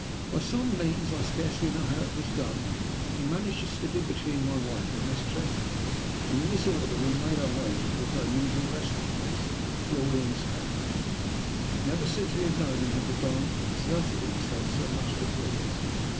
By some means, I scarcely know how it was done, he managed to slip in between my wife and Miss Trevor, and in this order we made our way towards our usual resting place, Florian's café. Never, since we had known him, had the Don exerted himself so much to please.